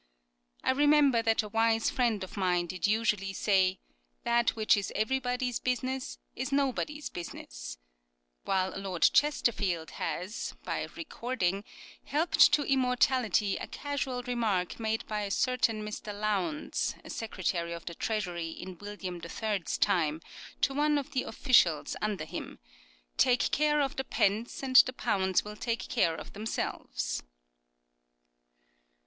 " I remember that a wise friend of mine did usually say, ' That which is everybody's business is nobody's business '"(" Complete Angler, part i. chap. 2) ; while Lord Chesterfield has, by recording, helped to immortality a casual remark made by a certain Mr. Lowndes, a Secretary of the Treasury in William III.'s time, to one of the officials under him :" Take care of the pence, and the pounds will take care of themselves."